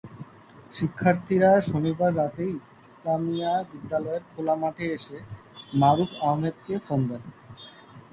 শিক্ষার্থীরা শনিবার রাতে ইসলামিয়া বিদ্যালয়ের খোলা মাঠে এসে মারুফ আহমেদকে ফোন দেন।